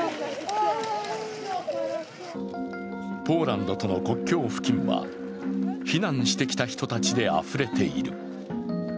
ポーランドとの国境付近は避難してきた人たちであふれている。